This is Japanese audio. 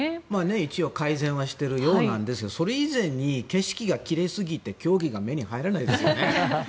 一応改善はしているようですがそれ以前に景色が奇麗すぎて競技が目に入らないですよね。